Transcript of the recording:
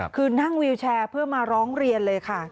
คือนั่งวิวแชร์เพื่อมาร้องเรียนเลยค่ะ